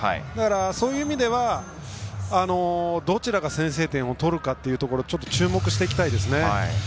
そういう意味ではどちらが先制点を取るかというところ注目していきたいと思います。